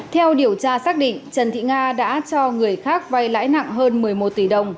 theo điều tra xác định trần thị nga đã cho người khác vay lãi nặng hơn một mươi một tỷ đồng